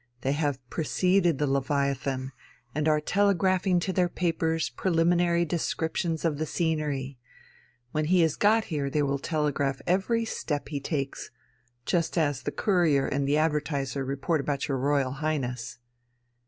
They have preceded the Leviathan, and are telegraphing to their papers preliminary descriptions of the scenery. When he has got here they will telegraph every step he takes just as the Courier and the Advertiser report about your Royal Highness...."